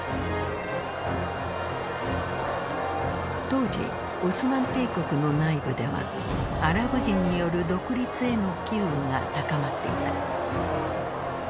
当時オスマン帝国の内部ではアラブ人による独立への機運が高まっていた。